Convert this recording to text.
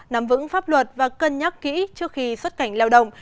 nắm vững pháp luật và cân nhắc kỹ trước khi xuất cảnh lao động